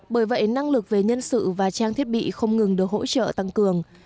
bởi vậy năng lực về nhân sự và trang thiết bị không ngừng được hỗ trợ tăng cường